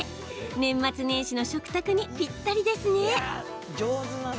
年末年始の食卓にぴったりですね。